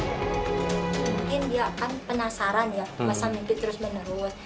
mungkin dia akan penasaran ya masa mimpi terus menerus